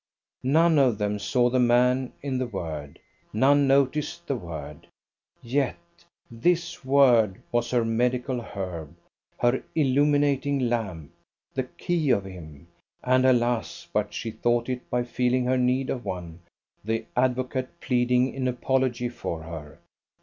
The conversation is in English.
None of them saw the man in the word, none noticed the word; yet this word was her medical herb, her illuminating lamp, the key of him (and, alas, but she thought it by feeling her need of one), the advocate pleading in apology for her.